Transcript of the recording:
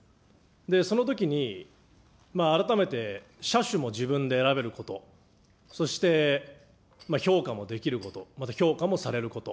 そのときに、改めて車種も自分で選べること、そして評価もできること、また評価もされること。